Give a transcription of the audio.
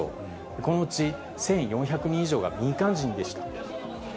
このうち１４００人以上が民間人でした。